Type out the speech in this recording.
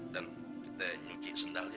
dan kita nyuki sendal ya